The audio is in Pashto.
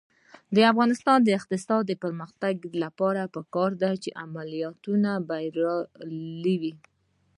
د افغانستان د اقتصادي پرمختګ لپاره پکار ده چې عملیاتونه بریالي وي.